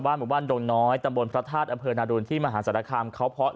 บ้านหมู่บ้านโดงน้อยตำบลพระธาตุอเผินนารุณที่มหาศาลคามเขาเพราะ